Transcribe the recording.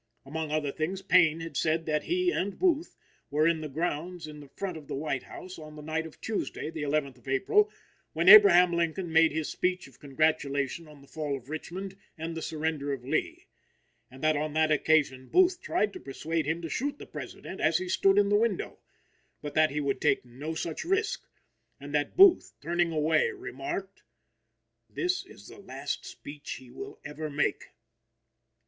Among other things, Payne had said that he and Booth were in the grounds in front of the White House on the night of Tuesday, the 11th of April, when Abraham Lincoln made his speech of congratulation on the fall of Richmond and the surrender of Lee; and that on that occasion Booth tried to persuade him to shoot the President as he stood in the window, but that he would take no such risk; and that Booth, turning away, remarked: "That is the last speech he will ever make."